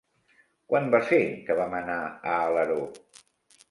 Quan va ser que vam anar a Alaró?